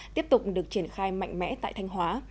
tiếp tục được triển khai mạnh mẽ tại thanh hóa